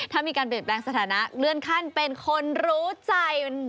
ถ้ามีการเปลี่ยนแปลงสถานะเลื่อนขั้นเป็นคนรู้ใจ